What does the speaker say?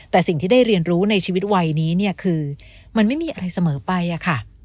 แต่สิ่งที่ได้เรียนรู้ในชีวิตวัยนี้เนี่ยคือมันไม่มีอะไรเสมอไปอะค่ะ